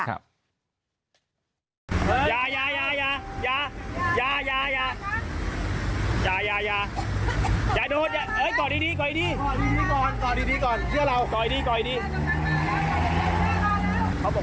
อย่าอย่าโดน